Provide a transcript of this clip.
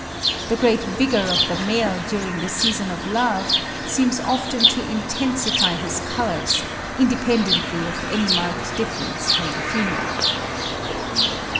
The great vigour of the male during the season of love seems often to intensify his colours, independently of any marked difference from the female.